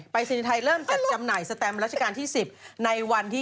ปริศนีย์ไทยเริ่มจัดจำหน่ายปริศนีย์ไทยเริ่มจัดจำหน่ายสแตมรัชกาลที่๑๐